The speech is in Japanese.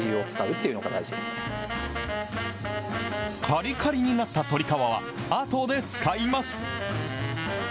かりかりになった鶏皮は、あとで使います。